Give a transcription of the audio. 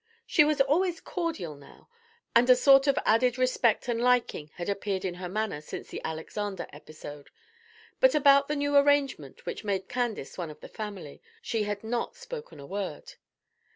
She was always cordial now, and a sort of added respect and liking had appeared in her manner since the Alexander episode; but about the new arrangement which made Candace one of the family, she had not spoken a word.